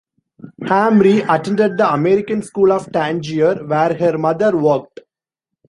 Hamri attended the American School of Tangier, where her mother worked.